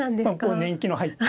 年季の入った。